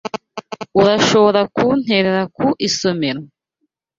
Urashobora kunterera ku isomero?